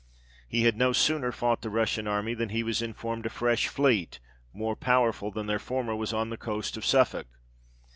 He had no sooner fought the Russian army, than he was in formed a fresh fleet, more powerful than their former, was on the coast of Suffolk.